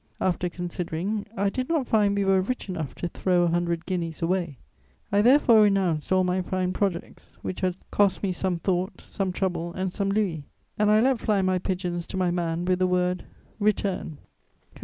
"After considering, I did not find we were rich enough to throw a hundred guineas away; I therefore renounced all my fine projects, which had cost me some thought, some trouble, and some louis; and I let fly my pigeons to my man with the word 'Return.'